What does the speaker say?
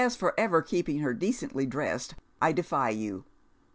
89 for ever keeping her decently dressed, I defy you.